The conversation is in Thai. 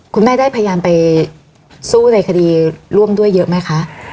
คุณแม่ได้พยายามไปสู้ในคดีร่วมด้วยเยอะไหมคะ